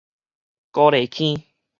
高麗坑